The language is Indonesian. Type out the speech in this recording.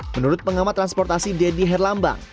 menurut pengamat transportasi deddy herlambang